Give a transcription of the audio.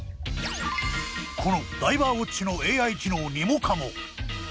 このダイバーウォッチのＡＩ機能ニモカモ！